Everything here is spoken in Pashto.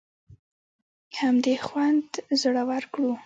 همدې خوند زړور کړو.